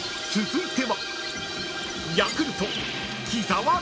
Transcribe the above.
［続いては］